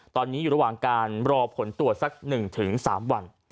ตอนนี้อยู่ระหว่างการรอผลตรวจสัก๑๓วัน